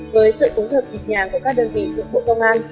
với sự phúng thực kịch nhàng của các đơn vị thuộc bộ công an